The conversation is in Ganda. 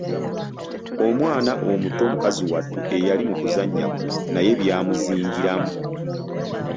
Omwana omuto mukazi wattu eyali mu kuzannya kwe naye byamuzingiramu.